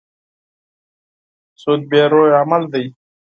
سود بې روحه عمل دی.